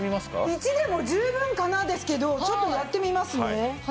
１でも十分かなですけどちょっとやってみますね。